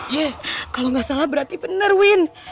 iya kalau gak salah berarti bener win